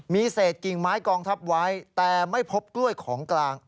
มีเศษกิ่งไม้กองทัพไว้แต่ไม่พบกล้วยของกลาง